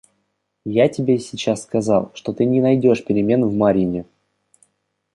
Я тебе сейчас сказал, что ты не найдешь перемен в Марьине...